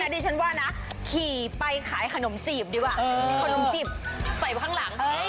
ดิฉันว่านะขี่ไปขายขนมจีบดีกว่าขนมจีบใส่ไปข้างหลัง